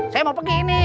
saya mau pergi ini